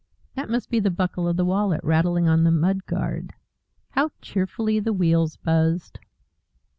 That must be the buckle of the wallet was rattling on the mud guard. How cheerfully the wheels buzzed!